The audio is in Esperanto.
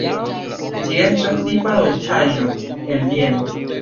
Ĝi estas tipa dolĉaĵo el Vieno.